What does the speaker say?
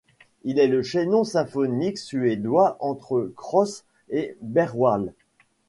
Il est le chaînon symphonique suédois entre Kraus et Berwald.